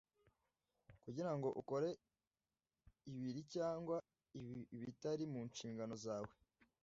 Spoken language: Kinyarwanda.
kugira ngo ukore ibiri cyangwa ibitari munshingano zawe